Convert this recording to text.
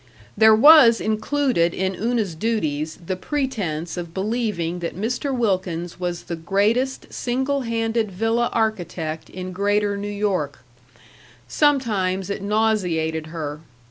There was included in Una's duties the pretense of believing that Mr. Wilkins was the greatest single handed villa architect in Greater New York. Sometimes it nauseated her.